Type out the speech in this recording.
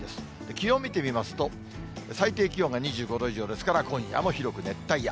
気温見てみますと、最低気温が２５度以上ですから、今夜も広く熱帯夜。